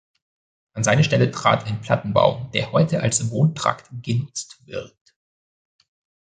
An seine Stelle trat ein Plattenbau, der heute als Wohntrakt genutzt wird.